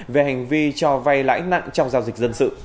về hành vi cho vay lãnh nặng trong giao dịch